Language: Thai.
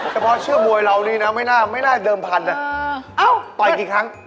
เฉพาะชื่อมวยเรานี่ไม่น่าเดิมพันห์